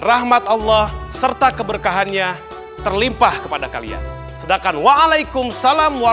rahmat allah serta keberkahannya terlimpah kepada kalian sedangkan waalaikumsalam